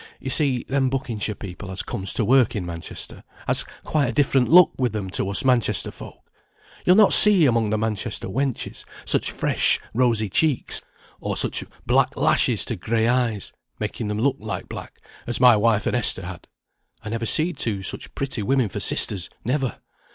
"You see them Buckinghamshire people as comes to work in Manchester, has quite a different look with them to us Manchester folk. You'll not see among the Manchester wenches such fresh rosy cheeks, or such black lashes to gray eyes (making them look like black), as my wife and Esther had. I never seed two such pretty women for sisters; never.